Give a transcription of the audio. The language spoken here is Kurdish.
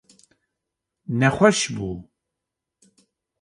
Nexweş bû.